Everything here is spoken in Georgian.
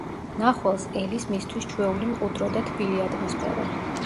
მნახველს ელის მისთვის ჩვეული მყუდრო და თბილი ატმოსფერო.